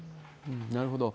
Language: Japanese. なるほど。